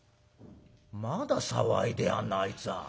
「まだ騒いでやがんなあいつは。